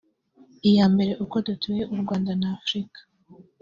Iya mbere uko duteye u Rwanda na Afrika